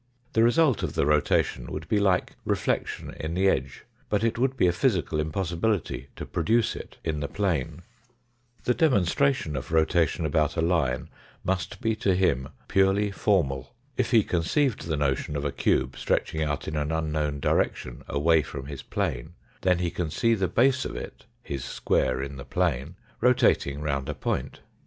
The result of the rotation would be like reflection in the edge, but it would be a physical im possibility to produce it in the plane. The demonstration of rotation about a line must be to 208 THE FOURTH DIMENSION him purely formal. If he conceived the notion of a cube stretching out in an unknown direction away from his plane, then he can see the base of it, his square in the plane, rotating round a point.